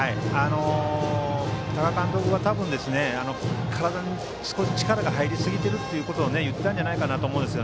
多賀監督は多分体に力が入りすぎているということを言ったんじゃないかと思うんです。